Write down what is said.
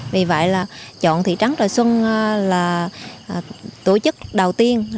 vì vậy là chọn thị trấn trà xuân là tổ chức đầu tiên